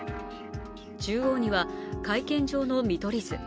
中央には会見場の見取り図。